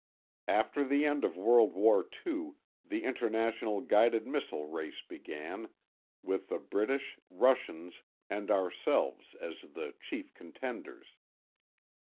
After the end of World War II, the international guided missile race began, with the British, Russians, and ourselves as the chief contenders.